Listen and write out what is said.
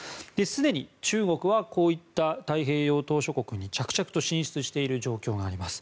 すでに中国はこういった太平洋島しょ国に着々と進出している状況があります。